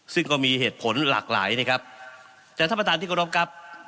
ซึ่งก็มีเหตุผลหลากหลายนะครับแต่ท่านประธานที่กรบครับ